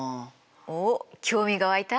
おっ興味が湧いた？